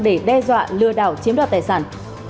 để đe dọa lừa đảo chiếm đoạt tài sản